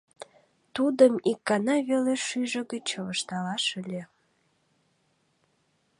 — Тудым ик гана веле шӱйжӧ гыч чывышталаш ыле.